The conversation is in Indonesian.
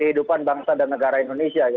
kehidupan bangsa dan negara indonesia